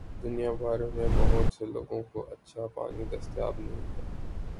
دنیا بھر میں بہت سے لوگوں کو اچھا پانی دستیاب نہیں ہے۔